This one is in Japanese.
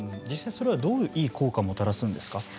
実際それはどういういい効果をもたらすんですか？